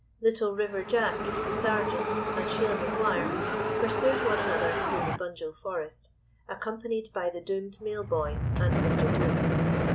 "Little River Jack," the Sergeant, and Sheila Maguire pursued one another through the Bunjil forest, accompanied by the doomed mail boy and Mr. Bruce.